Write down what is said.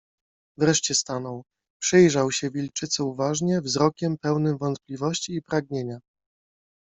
Wreszcie stanął. Przyjrzał się wilczycy uważnie, wzrokiem pełnym wątpliwości i pragnienia.